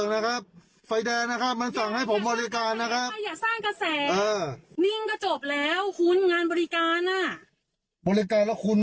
นิ่งก็จบแล้วงานบริการ